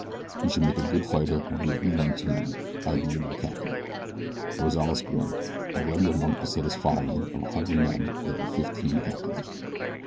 He should make a good fighter and we have none too many. I have made him a captain." Rozales grinned. Already among Pesita's following of a hundred men there were fifteen captains.